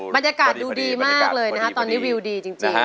บรรยากาศดูดีมากเลยนะคะตอนนี้วิวดีจริง